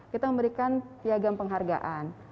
kita memberikan piagam penghargaan